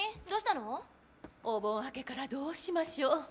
お盆明けからどうしましょ。